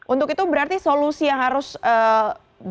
untuk itu berarti solusi yang harus dilakukan oleh dokter